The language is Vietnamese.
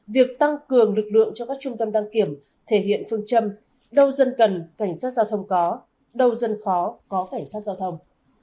việc tăng cường lực lượng cho các trung tâm đăng kiểm thể hiện phương châm đâu dân cần cảnh sát giao thông có đâu dân khó có cảnh sát giao thông